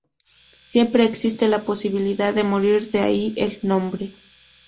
Siempre existe la posibilidad de morir, de ahí el nombre.